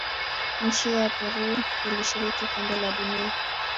nchi ya peru ilishiriki kombe la dunia